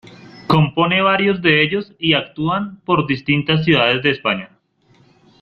Compone varios de ellos y actúan por distintas ciudades de España.